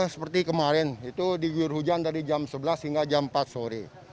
seperti kemarin itu diguyur hujan dari jam sebelas hingga jam empat sore